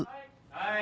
はい。